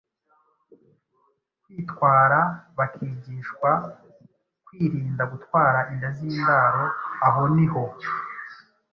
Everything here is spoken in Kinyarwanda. kwitwara, bakigishwa kwirinda gutwara inda z’indaro. Aho ni ho